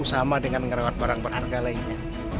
sama dengan ngerawat barang berharga lainnya